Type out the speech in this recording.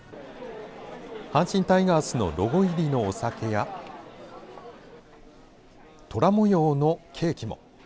阪神タイガースのロゴ入りのお酒やトラ模様のケーキも。